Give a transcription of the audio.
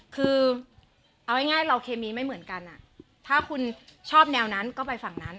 คือเอาง่ายเราเคมีไม่เหมือนกันถ้าคุณชอบแนวนั้นก็ไปฝั่งนั้น